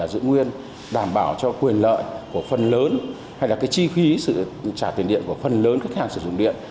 giữ nguyên đảm bảo cho quyền lợi của phần lớn hay là chi phí sự trả tiền điện của phần lớn khách hàng sử dụng điện